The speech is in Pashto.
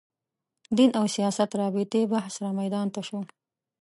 دین او سیاست رابطې بحث رامیدان ته شو